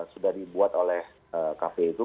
sudah dibuat oleh kafe itu